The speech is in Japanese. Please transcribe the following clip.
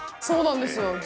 そうなんですよ。